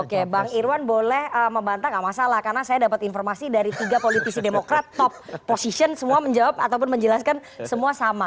oke bang irwan boleh membantah nggak masalah karena saya dapat informasi dari tiga politisi demokrat top position semua menjawab ataupun menjelaskan semua sama